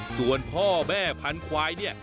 ส่วนพ่อแม่พันธุ์ควายนี่